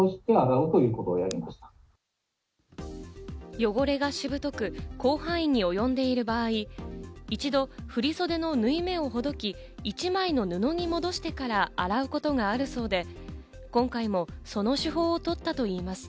汚れがしぶとく、広範囲におよんでいる場合、一度、振り袖の縫い目をほどき、一枚の布に戻してから洗うことがあるそうで、今回も、その手法をとったといいます。